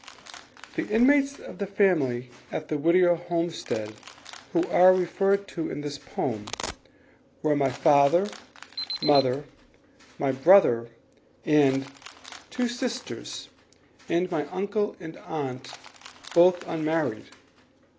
The inmates of the family at the Whittier homestead who are referred to in the poem were my father, mother, my brother and two sisters, and my uncle and aunt both unmarried.